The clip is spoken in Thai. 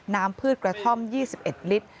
พืชกระท่อม๒๑ลิตร